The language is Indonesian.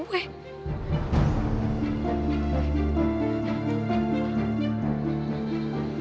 rane banget sih